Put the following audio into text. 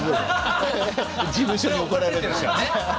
事務所に怒られるでしょ。